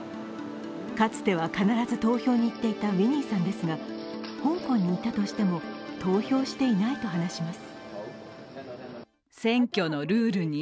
かつては必ず投票に行っていたウィニーさんでしたが、香港にいたとしても投票していないと話します。